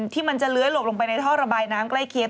ที่มันจะเลื้อยหลบลงไปในท่อระบายน้ำใกล้เคียง